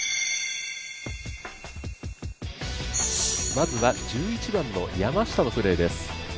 まずは１１番の山下のプレーです。